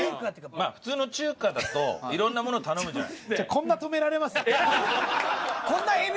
まあ普通の中華だと色んなもの頼むじゃない。